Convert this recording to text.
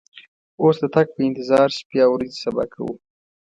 اوس د تګ په انتظار شپې او ورځې صبا کوو.